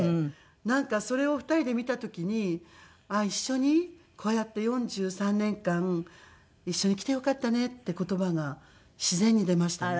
なんかそれを２人で見た時に一緒にこうやって４３年間一緒にきてよかったねって言葉が自然に出ましたね。